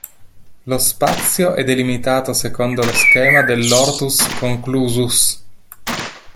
Lo spazio è delimitato secondo lo schema dell"'hortus conclusus".